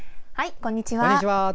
こんにちは。